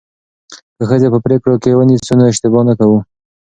که ښځې په پریکړو کې ونیسو نو اشتباه نه کوو.